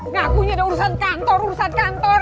ngakunya ada urusan kantor urusan kantor